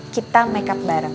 kita makeup bareng